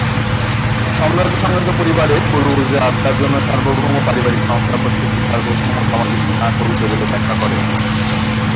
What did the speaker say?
সমরাজ্য-সংক্রান্ত পরিবারের পূর্বপুরুষদের আত্মার জন্য সার্বভৌম পারিবারিক সংস্থা প্রত্যেকটি সার্বভৌম সমাধি স্থান পবিত্র বলে ব্যাখ্যা করেন।